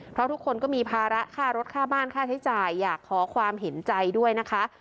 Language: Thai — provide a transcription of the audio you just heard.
เพราะทุกคนก็มีภาระค่ารถค่าบ้านค่าใช้จ่ายอยากขอความเห็นใจด้วยนะคะ